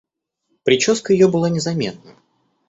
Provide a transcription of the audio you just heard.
Прическа ее была незаметна.